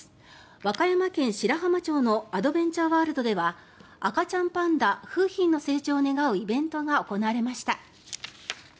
和歌山県白浜町のアドベンチャーワールドでは赤ちゃんパンダ楓浜の成長を願うイベントが行われました。